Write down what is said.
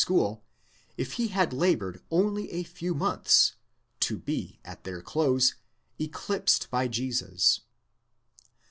school, if he had laboured only a few months, to be, at their close, eclipsed by Jesus.